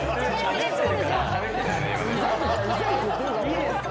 いいですか？